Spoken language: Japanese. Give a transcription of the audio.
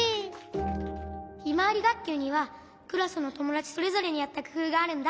ひまわりがっきゅうにはクラスのともだちそれぞれにあったくふうがあるんだ。